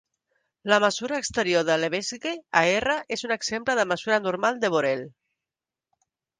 La mesura exterior de Lebesgue a R és un exemple de mesura normal de Borel.